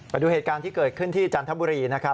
ไปดูเหตุการณ์ที่เกิดขึ้นที่จันทบุรีนะครับ